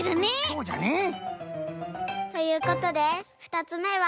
そうじゃね。ということで２つめは。